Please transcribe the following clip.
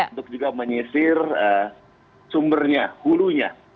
untuk juga menyisir sumbernya hulunya